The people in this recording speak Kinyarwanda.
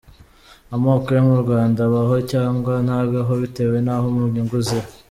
Amoko yo mu Rwanda abaho, cyangwa ntabeho bitewe n’aho inyungu ziri.